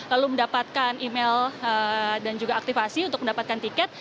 lalu mendapatkan email dan juga aktifasi untuk mendapatkan tiket